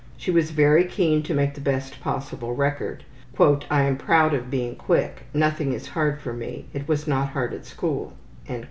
She was very keen to make the best possible record. ``I am proud of being quick; nothing is hard for me; it was not hard at school.''